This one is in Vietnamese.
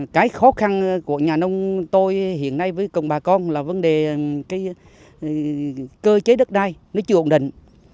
cái khó khăn của nhà nông tôi hiện nay với cùng bà con là vấn đề cơ chế đất đai nó chưa ổn định